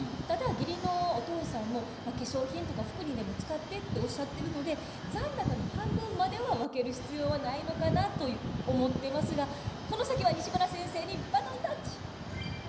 ただ義理のお父さんも「化粧品とか服にでも使って」っておっしゃってるので残高の半分までは分ける必要はないのかなと思っていますがこの先は西村先生にバトンタッチ。